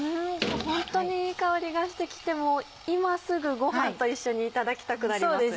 ホントにいい香りがして来て今すぐご飯と一緒にいただきたくなります。